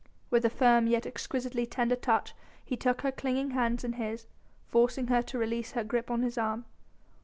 With a firm yet exquisitely tender touch he took her clinging hands in his, forcing her to release her grip on his arm.